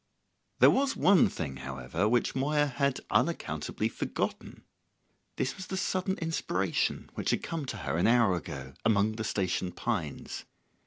There was one thing, however, which Moya had unaccountably forgotten. This was the sudden inspiration which had come to her an hour ago, among the station pines.